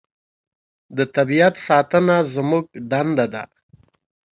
د طبیعت ساتنه زموږ دنده ده.